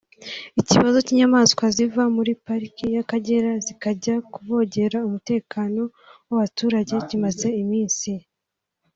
Ikibazo cy’ imyamaswa ziva muri pariki y’Akagera zikajya kuvogera umutekano w’abaturage kimaze iminsi